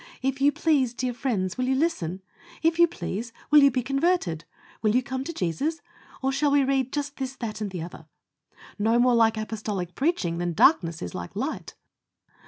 "If you please, dear friends, will you listen? If you please, will you be converted? Will you come to Jesus? or shall we read just this, that, and the other?" no more like apostolic preaching than darkness is like light.